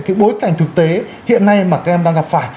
cái bối cảnh thực tế hiện nay mà các em đang gặp phải